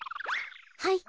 はい。